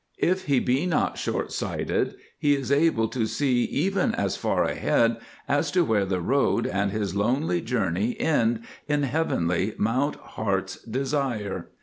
If he be not short sighted, he is able to see even as far ahead as to where the road and his lonely journey end in heavenly Mount Heart's Desire.